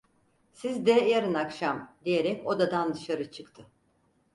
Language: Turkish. "Siz de yarın akşam!" diyerek odadan dışarı çıktı.